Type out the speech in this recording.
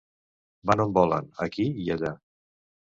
Van on volen, aquí i allà.